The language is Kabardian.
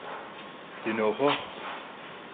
Dınoxhuexhu.